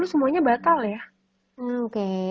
semuanya batal ya